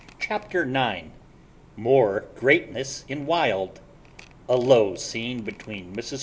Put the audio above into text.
CHAPTER NINE MORE GREATNESS IN WILD. A LOW SCENE BETWEEN MRS.